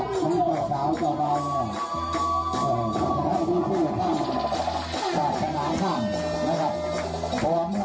พวกในชั้นกำลับจะพูดพูดกันลั้นจากขั้นหลับคุณจะสาวจะบาง